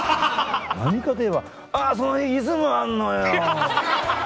何かと言えば「その日『イズム』あんのよ」。